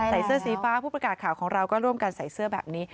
เสื้อสีฟ้าผู้ประกาศข่าวของเราก็ร่วมกันใส่เสื้อแบบนี้